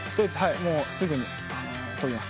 もうすぐに飛びます。